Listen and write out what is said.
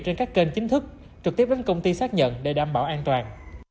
trên các kênh chính thức trực tiếp đến công ty xác nhận để đảm bảo an toàn